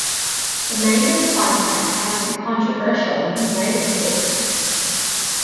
The manga's content has been controversial in the United States.